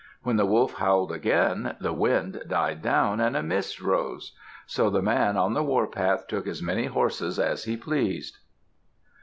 When the wolf howled again, the wind died down and a mist arose. So the man on the warpath took as many horses as he pleased.